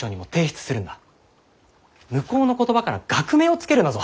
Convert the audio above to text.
向こうの言葉から学名を付けるなぞ。